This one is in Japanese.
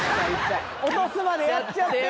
落とすまでやっちゃってよ